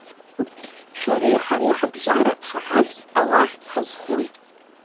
Шәареи ҳареи ҳабжьара шаҳаҭс Аллаҳ дҳазхоит.